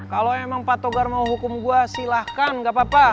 kalau emang pak togar mau hukum gua silahkan gak apa apa